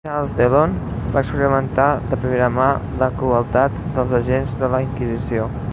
Charles Dellon va experimentar de primera mà la crueltat dels agents de la Inquisició.